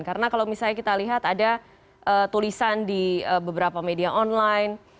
karena kalau misalnya kita lihat ada tulisan di beberapa media online